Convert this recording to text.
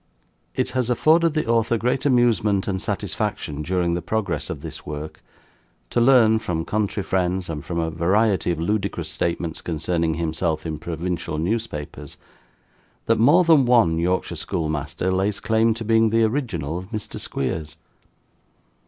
"It has afforded the Author great amusement and satisfaction, during the progress of this work, to learn, from country friends and from a variety of ludicrous statements concerning himself in provincial newspapers, that more than one Yorkshire schoolmaster lays claim to being the original of Mr. Squeers.